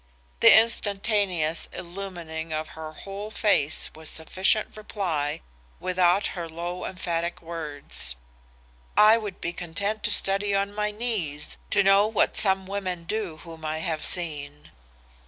The instantaneous illumining of her whole face was sufficient reply without her low emphatic words, "'I would be content to study on my knees to know what some women do, whom I have seen.